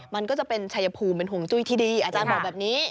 มันก็จะเป็นชัยภูมิเป็นห่วงจุ้ยที่ดีอาจารย์บอกแบบนี้